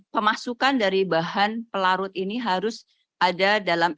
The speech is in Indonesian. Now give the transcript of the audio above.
pemasukan dari bahan pelarut ini harus ada dalam